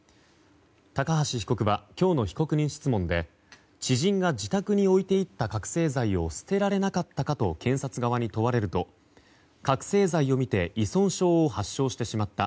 高橋被告は今日の被告人質問で知人が自宅に置いて行った覚醒剤を捨てられなかったかと検察側に問われると覚醒剤を見て依存症を発症してしまった。